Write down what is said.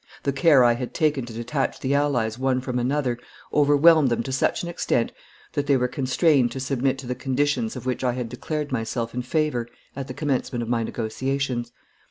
"the care I had taken to detach the allies one from another, overwhelmed them to such an extent, that they were constrained to submit to the conditions of which I had declared myself in favor at the commencement of my negotiations.